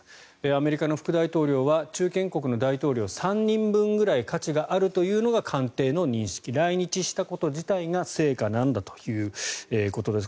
アメリカの副大統領は中堅国の大統領３人分ぐらい価値があるというのが官邸の認識来日したこと自体が成果なんだということです。